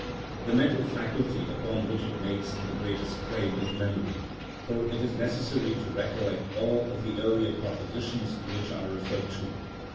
The mental faculty upon which it makes the greatest claim is memory, for it is necessary to recollect all the earlier propositions which are referred to.